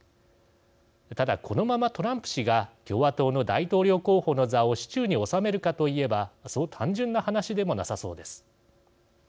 ただこのままトランプ氏が共和党の大統領候補の座を手中に収めるかと言えばそう単純な話でもなさそうです。